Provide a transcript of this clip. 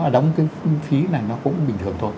đóng cái phí này nó cũng bình thường thôi